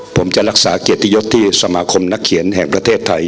ผมจะรักษาเกียรติยศที่สมาคมนักเขียนแห่งประเทศไทย